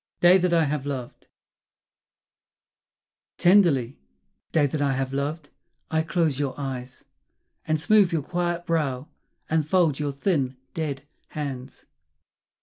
Day That I Have Loved Tenderly, day that I have loved, I close your eyes, And smooth your quiet brow, and fold your thin dead hands.